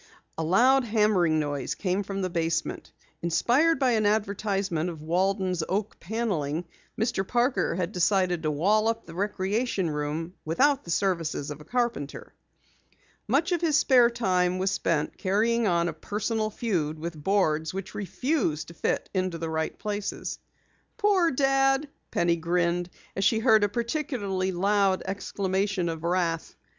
A loud hammering noise came from the basement. Inspired by an advertisement of Waldon's Oak Paneling, Mr. Parker had decided to wall up the recreation room without the services of a carpenter. Much of his spare time was spent carrying on a personal feud with boards which refused to fit into the right places. "Poor Dad," Penny grinned as she heard a particularly loud exclamation of wrath.